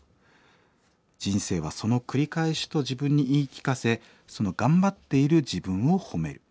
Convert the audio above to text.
人生はその繰り返しと自分に言い聞かせその頑張っている自分を褒める。